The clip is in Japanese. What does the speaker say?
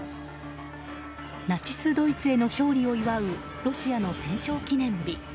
ナチスドイツへの勝利を祝うロシアの戦勝記念日。